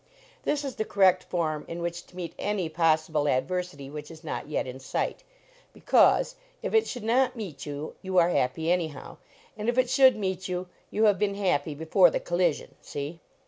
This is the correct form in which to meet any possible adversity which is not yet in sight. Because, if it should not meet you, you are happy anyhow, and if it should meet yen, you have been happy before the col lision. See?